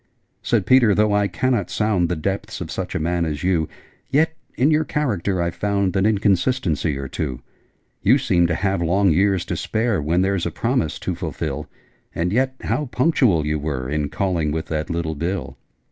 Said Peter 'Though I cannot sound The depths of such a man as you, Yet in your character I've found An inconsistency or two. You seem to have long years to spare When there's a promise to fulfil: And yet how punctual you were In calling with that little bill!'